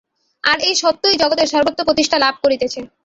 আর এই সত্যই জগতের সর্বত্র প্রতিষ্ঠা লাভ করিতেছে।